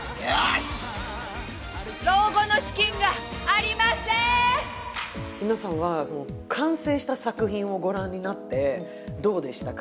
しっ皆さんは完成した作品をご覧になってどうでしたか？